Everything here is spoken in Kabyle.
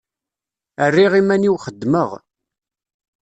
Rriɣ iman-iw xeddmeɣ.